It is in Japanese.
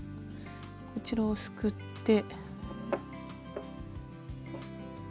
こちらをすくって。